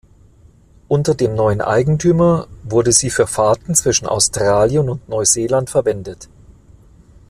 Unter dem neuen Eigentümer wurde sie für Fahrten zwischen Australien und Neuseeland verwendet.